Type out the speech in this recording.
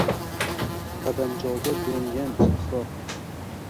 Qadamjoga doʼngan sahro.